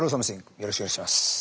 よろしくお願いします。